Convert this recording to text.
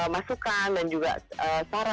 masukan dan juga